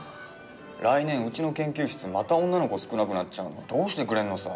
来年うちの研究室また女の子少なくなっちゃうのどうしてくれんのさ。